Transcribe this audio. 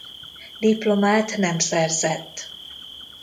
Diplomát nem szerzett.